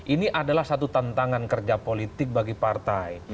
ini adalah satu tantangan kerja politik bagi partai